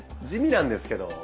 地味なんですけど。